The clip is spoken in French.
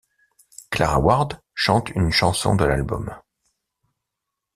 Clara Ward chante une chanson de l'album.